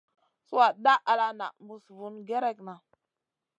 Sùha dah ala na muss vun gerekna.